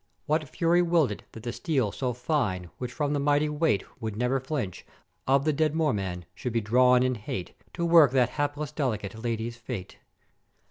What Fury willed it that the steel so fine, which from the mighty weight would never flinch of the dread Moorman, should be drawn in hate to work that hapless delicate Ladye's fate?